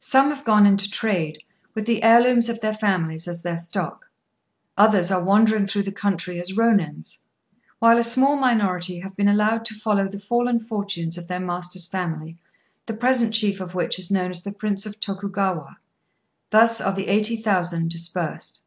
Some have gone into trade, with the heirlooms of their families as their stock; others are wandering through the country as Rônins; while a small minority have been allowed to follow the fallen fortunes of their master's family, the present chief of which is known as the Prince of Tokugawa. Thus are the eighty thousand dispersed.